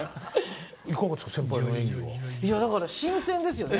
いやだから新鮮ですよね。